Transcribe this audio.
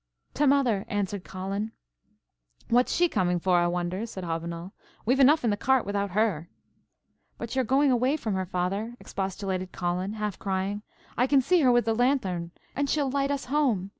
"T' mother," answered Colin. "What's she coming for, I wonder," said Hobbinoll; "we've enough in the cart without her." "But you're going away from her, father," expostulated Colin, half crying. "I see her with the lanthorn, and she'll light us home.